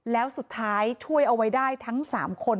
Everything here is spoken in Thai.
แล้วสุดท้ายช่วยเอาไว้ได้ทั้ง๓คน